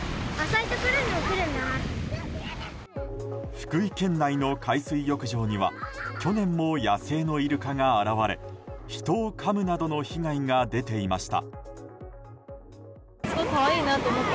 福井県内の海水浴場には去年も野生のイルカが現れ人をかむなどの被害が出ていました。